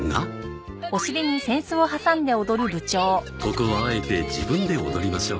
ここはあえて自分で踊りましょう。